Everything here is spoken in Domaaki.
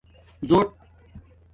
زݸٹ